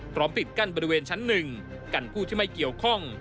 พร้อมติดกั้นบริเวณชั้นหนึ่งกันผู้ที่ไม่เกี่ยวข้อง